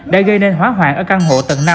đã gây nên hóa hoạn ở căn hộ tầng năm